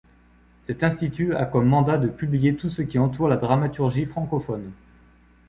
Cet institut a comme mandat de publier tout ce qui entoure la dramaturgie francophone.